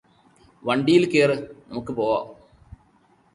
വണ്ടിയിൽ കേറ് നമുക്ക് പോകാം